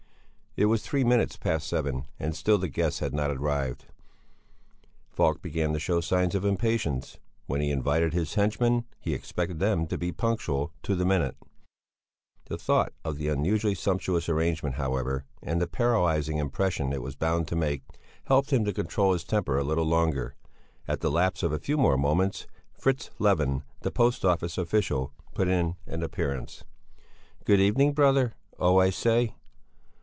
It was three minutes past seven and still the guests had not arrived. Falk began to show signs of impatience. When he invited his henchmen, he expected them to be punctual to the minute. The thought of the unusually sumptuous arrangement, however, and the paralysing impression it was bound to make, helped him to control his temper a little longer; at the lapse of a few more moments Fritz Levin, the post office official put in an appearance. "Good evening, brother oh! I say!"